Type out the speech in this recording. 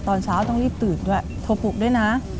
ตอนเช้าต้องรีบตื่นด้วยโทรปลูกด้วยนะ